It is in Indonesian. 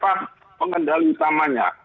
siapa pengendal utamanya